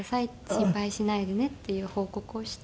心配しないでねっていう報告をして。